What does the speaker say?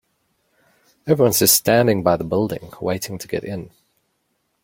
Everyone is just standing by the building, waiting to get in.